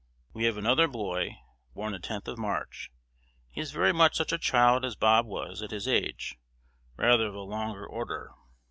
We have another boy, born the 10th of March. He is very much such a child as Bob was at his age, rather of a longer order.